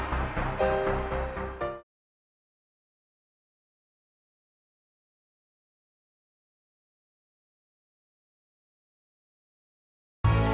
sampai berjumpa lagi